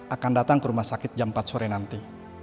akan datang ke rumah sakit jam empat sore nanti